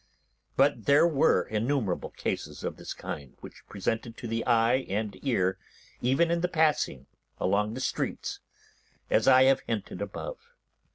But there were innumerable cases of this kind which presented to the eye and the ear, even in passing along the streets, as I have hinted above.